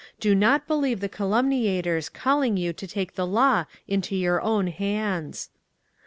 "DO NOT BELIEVE THE CALUMNIATORS CALLING YOU TO TAKE THE LAW INTO YOUR OWN HANDS!"